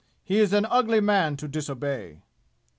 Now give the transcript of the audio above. He is an ugly man to disobey!"